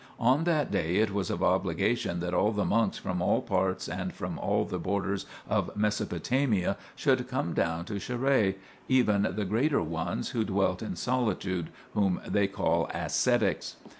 1 On that day it was of obligation that all the monks from all parts and from all the borders of Mesopotamia should come down to Charrae, even the greater ones who dwelt in solitude, whom they call ascetics.